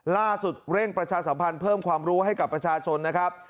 เร่งประชาสัมพันธ์เพิ่มความรู้ให้กับประชาชนนะครับ